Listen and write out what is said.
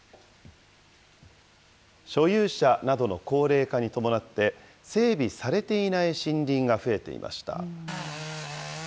所有者などの高齢化に伴って、整備されていない森林が増えていました。